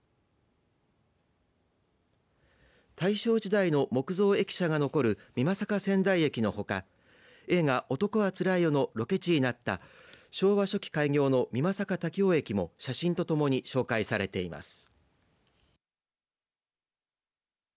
大正時代の木造駅舎が残る美作千代駅のほか映画、男はつらいよのロケ地になった昭和初期開業の美作滝尾駅も写真とともに紹介されています。